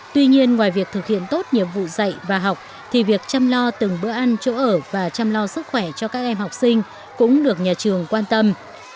tuy nhiên ngoài việc thực hiện tốt nhiệm vụ dạy và học thì việc chăm lo từng bữa ăn chỗ ở và chăm lo sức khỏe cho các em học sinh cũng được nhà trường quan tâm